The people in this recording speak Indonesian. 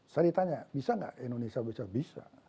saya ditanya bisa nggak indonesia bocah bisa